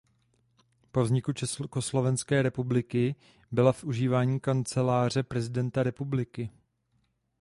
Po vzniku Československé republiky byla v užívání Kanceláře prezidenta republiky.